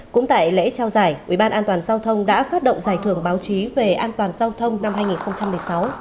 cũng tại lễ trao giải ubnd đã phát động giải thưởng báo chí về an toàn giao thông năm hai nghìn một mươi sáu